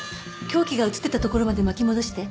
凶器が映ってたところまで巻き戻して。